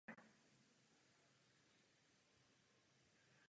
Problém je tudíž složitý.